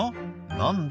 何だ？